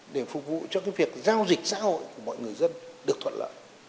để phục vụ cho việc giao dịch xã hội của mọi người dân được thuận lợi